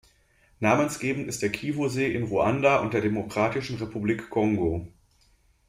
Namensgebend ist der Kivu-See in Ruanda und der Demokratischen Republik Kongo.